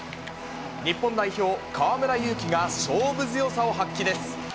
日本代表、河村勇輝が勝負強さを発揮です。